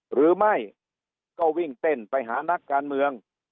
หรือไม่ก็วิ่งเต้นไปหานักการเมือง